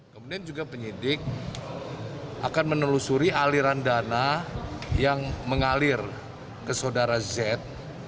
kemudian juga penyidik akan menelusuri aliran dana yang mengalir ke saudara z